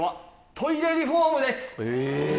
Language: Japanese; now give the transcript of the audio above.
トイレリフォーム？